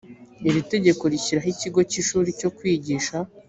iri tegeko rishyiraho ikigo cy ishuli cyo kwigisha